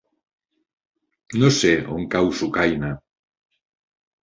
No sé on cau Sucaina.